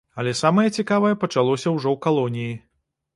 Але самае цікавае пачалося ўжо ў калоніі.